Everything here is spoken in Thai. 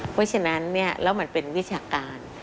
เพราะฉะนั้นแล้วมันเป็นวิชาการ